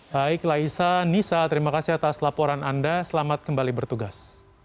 baik laisa nisa terima kasih atas laporan anda selamat kembali bertugas